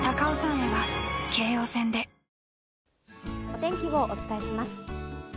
お天気をお伝えします。